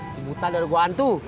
sebutan dari gue antu